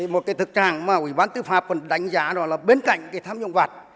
một cái thực trạng mà ủy ban tư phạm còn đánh giá là bên cạnh tham nhũng vật